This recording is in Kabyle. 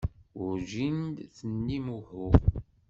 Werǧin d-tennim uhu.